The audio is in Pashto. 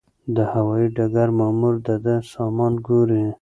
د هوايي ډګر مامور د ده سامان ګوري.